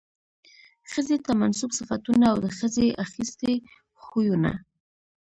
ښځې ته منسوب صفتونه او د ښځې اخىستي خوىونه